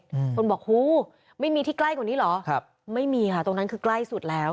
คนบอกหูไม่มีที่ใกล้กว่านี้เหรอครับไม่มีค่ะตรงนั้นคือใกล้สุดแล้ว